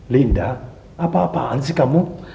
linda apa apaan sih kamu